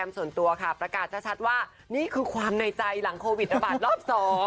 ส่วนตัวค่ะประกาศชัดว่านี่คือความในใจหลังโควิดระบาดรอบ๒